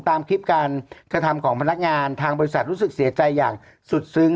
ตามคลิปการกระทำของพนักงานทางบริษัทรู้สึกเสียใจอย่างสุดซึ้ง